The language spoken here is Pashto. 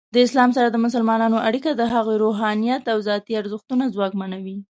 د اسلام سره د مسلمانانو اړیکه د هغوی روحانیت او ذاتی ارزښتونه ځواکمنوي.